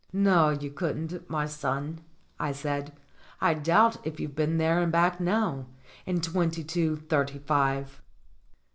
"No, you couldn't, my son," I said. "I doubt if you've been there and back now, in twenty two thirty five."